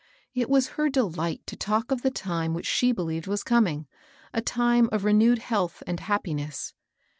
It was her delight to talk of the time which she believed was comihg, — a time of renewed health and happiness.